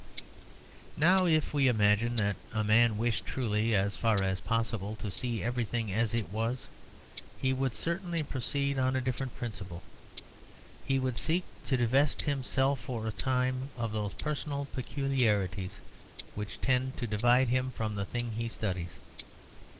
Now if we imagine that a man wished truly, as far as possible, to see everything as it was, he would certainly proceed on a different principle. He would seek to divest himself for a time of those personal peculiarities which tend to divide him from the thing he studies.